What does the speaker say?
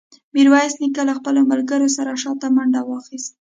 ميرويس نيکه له خپلو ملګرو سره شاته منډه واخيسته.